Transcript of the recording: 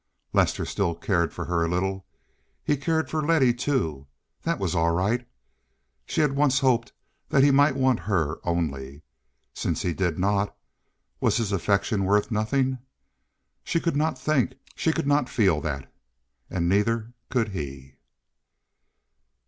Lester still cared for her a little. He cared for Letty too. That was all right. She had hoped once that he might want her only. Since he did not, was his affection worth nothing? She could not think, she could not feel that. And neither could he.